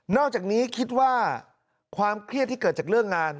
อกจากนี้คิดว่าความเครียดที่เกิดจากเรื่องงาน